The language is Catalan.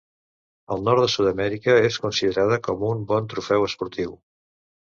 Al nord de Sud-amèrica és considerada com un bon trofeu esportiu.